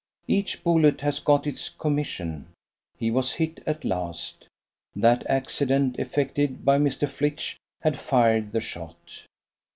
"Each bullet has got its commission." He was hit at last. That accident effected by Mr. Flitch had fired the shot.